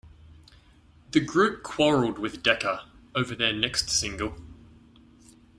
The group quarrelled with Decca over their next single.